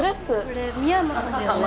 これ深山さんだよね？